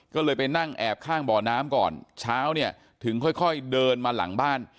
ก็เลยไปนั่งแอบข้างบ่อน้ำก่อนเช้าเนี่ยถึงค่อยเดินมาหลังบ้าน